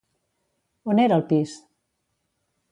On era el pis?